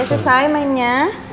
udah selesai mainnya